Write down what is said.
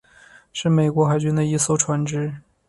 是美国海军的一艘船只。